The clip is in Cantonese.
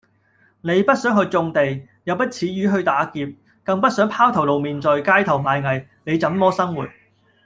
你不想去種地；又不恥於去打劫；更不想拋頭露面在街頭賣藝。你怎麼生活？